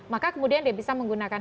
maka kemudian dia bisa menggunakan